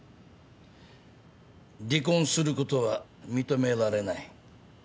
離婚することは認められない。